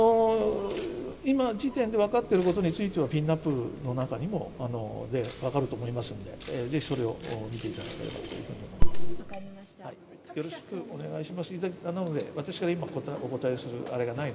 今時点で分かっていることについては、ピンナップの中にも分かると思いますので、ぜひそれを見ていただきたいなというふうに分かりました。